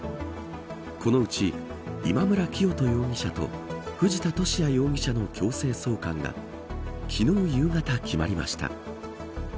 このうち、今村磨人容疑者と藤田聖也容疑者の強制送還が昨日夕方、決まりました。